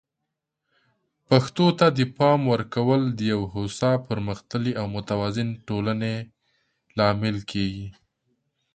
پښتو ته د پام ورکول د یو هوسا، پرمختللي او متوازن ټولنې لامل کیږي.